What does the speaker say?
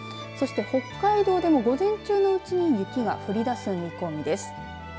そして北海道でも午前中のうちに雪が降りだす見込みです。